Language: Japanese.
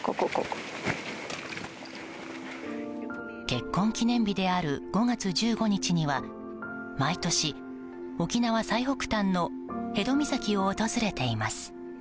結婚記念日である５月１５日には毎年、沖縄最北端の辺戸岬を訪れています。